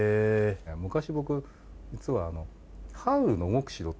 昔僕実は。